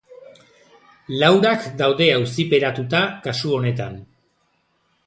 Laurak daude auziperatuta kasu honetan.